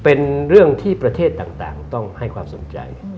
เป็นเรื่องที่ประเทศต่างต้องให้ความสนใจ